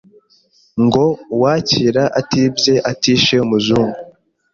Ngo uwakira atibye atishe umuzungu